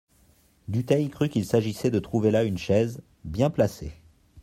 Dutheil crut qu'il s'agissait de trouver là une chaise, bien placée.